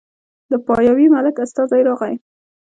د پاياوي ملک استازی راغی